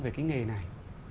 về cái nghề này